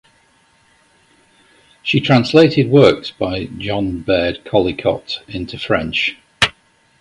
She translated works by John Baird Callicott into French.